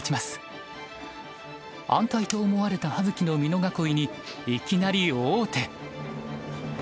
安泰と思われた葉月の美濃囲いにいきなり王手。